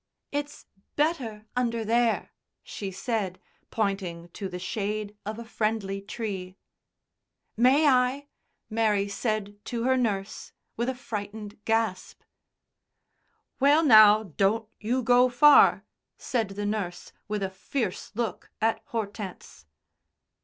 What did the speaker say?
"It's better under there," she said, pointing to the shade of a friendly tree. "May I?" Mary said to her nurse with a frightened gasp. "Well, now, don't you go far," said the nurse, with a fierce look at Hortense.